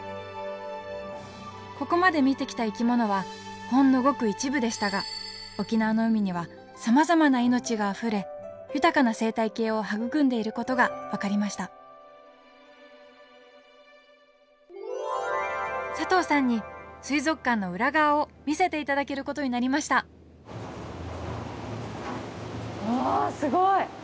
ここまで見てきた生き物はほんのごく一部でしたが沖縄の海にはさまざまな命があふれ豊かな生態系を育んでいることが分かりました佐藤さんに水族館の裏側を見せていただけることになりましたわすごい！